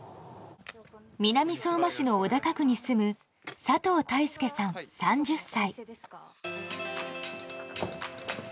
南相馬市の小高区に住む佐藤太亮さん、３０歳。